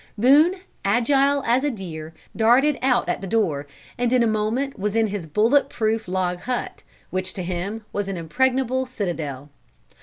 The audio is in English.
"Boone, agile as a deer, darted out at the door, and in a moment was in his bullet proof log hut, which to him was an impregnable citadel.